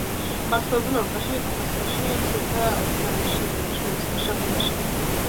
გავრცელებულია ევროპაში, კავკასიაში, მცირე და წინა აზიაში, ირანში, ციმბირში, აფრიკაში.